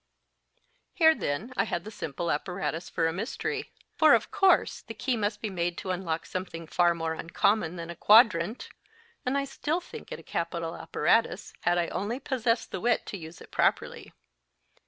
Here, then, I had the simple apparatus for a mystery ; for, of course, the key must be made to unlock something far more uncommon than a quadrant ; and I still think it a capital apparatus, had I only possessed the wit to use it properly.